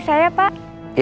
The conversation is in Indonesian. sampai jumpa lagi